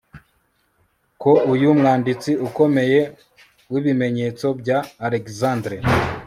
ko uyu mwanditsi ukomeye wibimenyetso bya alexandre